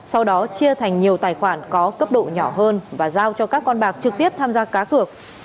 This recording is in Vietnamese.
sau đó chia thành nhiều tài khoản có cấp độ nhỏ hơn và giao cho các con bạc trực tiếp tham gia cá cược